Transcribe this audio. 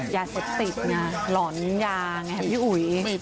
ยาเสปติดเนี่ยร้อนยาไงพี่อุ๋ย